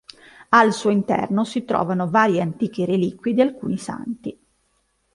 Al suo interno si trovano varie antiche reliquie di alcuni santi.